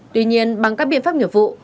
tuy nhiên bằng các biện pháp nhiệm vụ